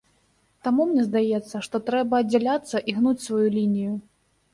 Таму мне здаецца, што трэба аддзяляцца і гнуць сваю лінію.